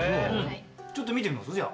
ちょっと見てみます？